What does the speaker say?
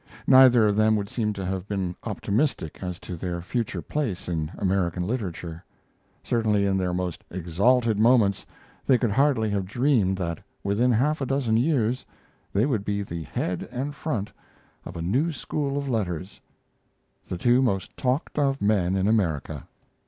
Neither of them would seem to have been optimistic as to their future place in American literature; certainly in their most exalted moments they could hardly have dreamed that within half a dozen years they would be the head and front of a new school of letters the two most talked of men in America.